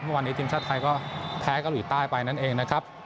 เมื่อวานนี้ทีมชาติไทยก็แพ้เกาหลีใต้ไปนั่นเองนะครับ